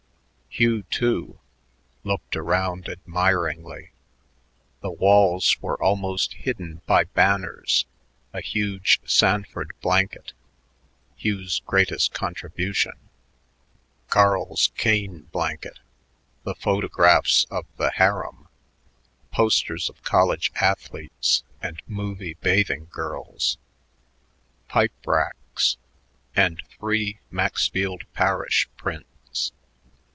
Hugh, too, looked around admiringly. The walls were almost hidden by banners, a huge Sanford blanket Hugh's greatest contribution Carl's Kane blanket, the photographs of the "harem," posters of college athletes and movie bathing girls, pipe racks, and three Maxfield Parrish prints.